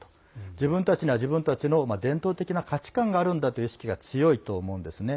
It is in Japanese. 自分たちには自分たちの伝統的な価値観があるんだという意識が強いと思うんですね。